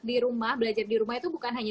di rumah belajar di rumah itu bukan hanya